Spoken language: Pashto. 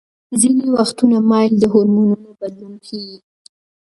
ځینې وختونه میل د هورمونونو بدلون ښيي.